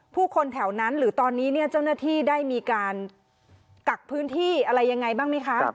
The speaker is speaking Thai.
คนแถวนั้นหรือตอนนี้เนี่ยเจ้าหน้าที่ได้มีการกักพื้นที่อะไรยังไงบ้างไหมคะ